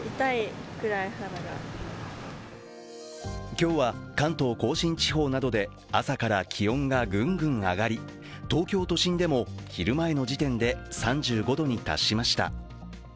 今日は関東甲信地方などで朝から気温がぐんぐん上がり、東京都心でも昼前の時点で、３５度に達しました。